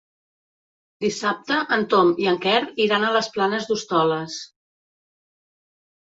Dissabte en Tom i en Quer iran a les Planes d'Hostoles.